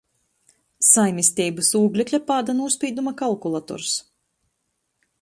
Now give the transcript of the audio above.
Saimisteibys ūglekļa pāda nūspīduma kalkulators.